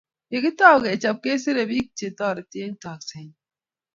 Yo kitau kechob, kesere biik che toriti eng tekset nyi